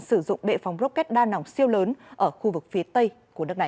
sử dụng bệ phóng rocket đa nòng siêu lớn ở khu vực phía tây của nước này